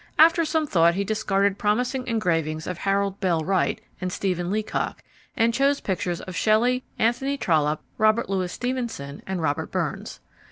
After some thought he discarded promising engravings of Harold Bell Wright and Stephen Leacock, and chose pictures of Shelley, Anthony Trollope, Robert Louis Stevenson, and Robert Burns.